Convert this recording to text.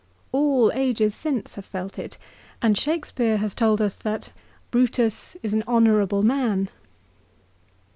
All ages since have felt it, and Shakespeare has told us that " Brutus is an honourable man."